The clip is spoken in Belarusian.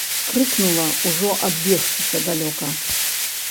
Крыкнула, ужо адбегшыся далёка.